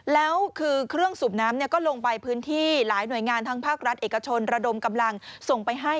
แล้วคือเครื่องสูบน้ำก็ลงไปพื้นที่หลายหน่วยงานทั้งภาครัฐเอกชนระดมกำลังส่งไปให้